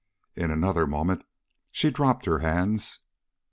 In another moment she dropped her hands.